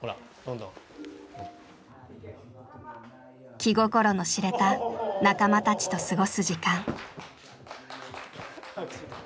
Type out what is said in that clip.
気心の知れた仲間たちと過ごす時間。